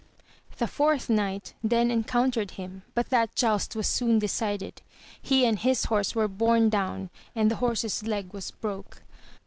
The fourth knight then'encountered him, but that joust was soon decided, he and his horse were borne down and the horse's leg was broke.